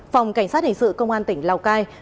phòng cảnh sát hình sự công an tỉnh lào cai